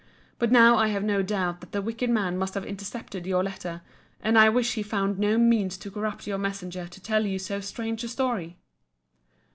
But now I have no doubt that the wicked man must have intercepted your letter; and I wish he found not means to corrupt your messenger to tell you so strange a story.